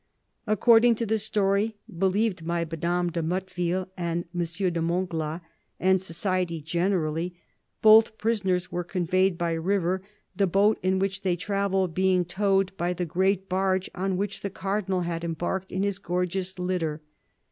According to the story believed by Madame de Motteville, M. de Montglat, and society generally, both prisoners were conveyed by river, the boat in which they travelled being towed by the great barge on which the Cardinal had embarked in his gorgeous Utter.